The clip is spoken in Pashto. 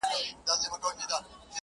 o بې دلیله څارنواله څه خفه وي,